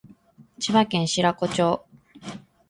千葉県白子町